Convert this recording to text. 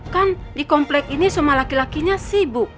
kan di komplek ini semua laki lakinya sibuk